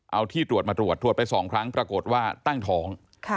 เอาที่ตรวจมาตรวจตรวจไป๒ครั้งปรากฏว่าตั้งท้อง